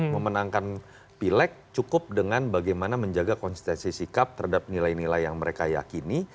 memenangkan pileg cukup dengan bagaimana menjaga konsistensi sikap terhadap nilai nilai yang mereka yakini